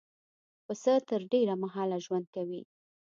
پسه تر ډېره مهاله ژوند کوي.